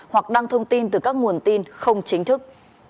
hoặc đăng thông tin từ các nguồn tin không chính thức